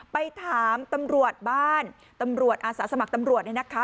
ไปถามตำรวจบ้านตำรวจอาสาสมัครตำรวจเนี่ยนะคะ